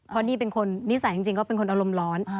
เพราะนี่เป็นคนนิสัยจริงเขาเป็นคนอารมณ์ร้อน